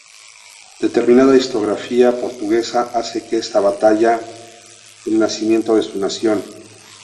Determinada historiografía portuguesa hace de esta batalla el nacimiento de su nación.